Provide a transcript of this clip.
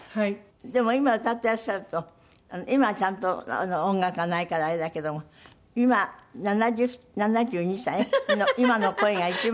でも今歌ってらっしゃると今はちゃんと音楽がないからあれだけども今７２歳の今の声が一番いいと。